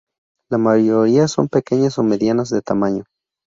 La mayoría son pequeñas o medianas de tamaño.